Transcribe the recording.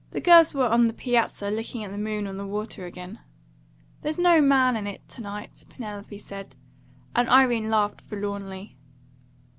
The girls were on the piazza looking at the moon on the water again. "There's no man in it to night," Penelope said, and Irene laughed forlornly.